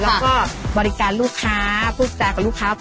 แล้วก็บริการลูกค้าพูดจากับลูกค้า